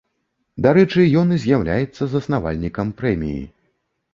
Дарэчы, ён і з'яўляецца заснавальнікам прэміі.